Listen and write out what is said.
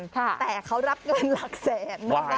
แต่เขารับเงินหลักแสนนะคะ